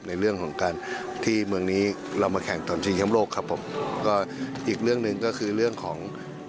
ในเรื่องของการที่เมืองนี้เรามาแข่งตอนชิงแชมป์โลกครับผมก็อีกเรื่องหนึ่งก็คือเรื่องของ